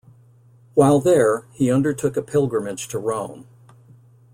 While there, he undertook a pilgrimage to Rome.